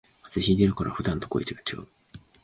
風邪ひいてるから普段と声がちがう